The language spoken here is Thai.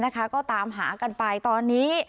ก็ตามหากันไปตอนนี้